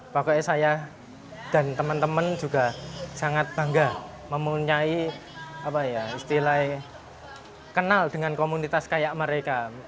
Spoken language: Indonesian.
pokoknya saya dan teman teman juga sangat bangga mempunyai istilah kenal dengan komunitas kayak mereka